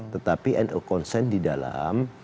tetapi nu konsen di dalam